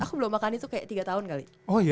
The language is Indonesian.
aku belum makan itu kayak tiga tahun kali